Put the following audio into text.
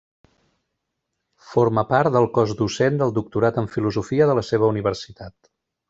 Forma part del cos docent del Doctorat en Filosofia de la seva universitat.